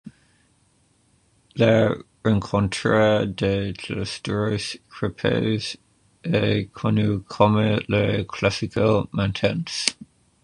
La rencontre de ces deux équipes, est connu comme le Clásico Mantense.